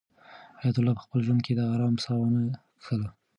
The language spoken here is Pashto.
حیات الله په خپل ژوند کې د آرام ساه ونه کښله.